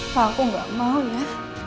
aku nggak mau ya